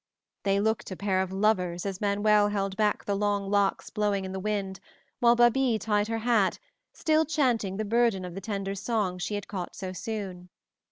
They looked a pair of lovers as Manuel held back the long locks blowing in the wind, while Babie tied her hat, still chanting the burthen of the tender song she had caught so soon.